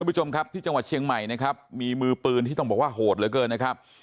ผู้ชมครับที่จังหวัดเชียงใหม่นะครับมีมือปืนที่ต้องบอกว่าโหดเหลือเกินนะครับ